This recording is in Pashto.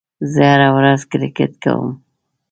زه هره ورځ کرېکټ کوم.